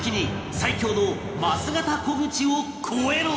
最強の枡形虎口を超えろ！